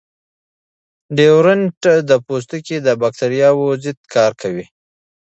ډیوډرنټ د پوستکي د باکتریاوو ضد کار کوي.